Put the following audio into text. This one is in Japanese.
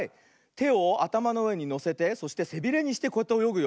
てをあたまのうえにのせてそしてせびれにしてこうやっておよぐよ。